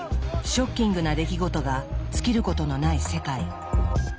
ショッキングな出来事が尽きることのない世界。